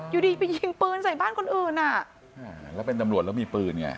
อยู่ดีไปยิงปืนใส่บ้านคนอื่นอ่ะอ่าแล้วเป็นตำรวจแล้วมีปืนไง